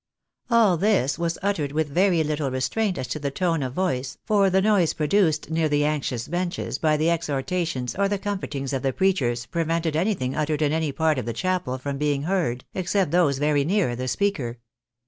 All this was uttered with very little restraint as to the tone of voice, for the noise produced near the anxious benches by the ex hortations or the comfortings of the preachers prevented anything uttered in any other part of the chapel from being heard, except by those very near the speaker.